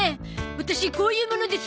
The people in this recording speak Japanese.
ワタシこういう者ですが。